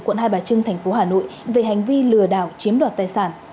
quận hai bà trưng thành phố hà nội về hành vi lừa đảo chiếm đoạt tài sản